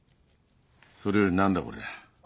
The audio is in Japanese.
それより何だこりゃ。